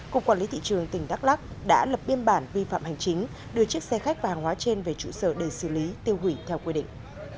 cục quản lý thị trường tỉnh đắk lắc đã lập biên bản vi phạm hành chính đưa chiếc xe khách và hàng hóa trên về trụ sở để xử lý tiêu hủy theo quy định